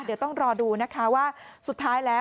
เดี๋ยวต้องรอดูนะคะว่าสุดท้ายแล้ว